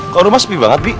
kamu rumah sepi banget bi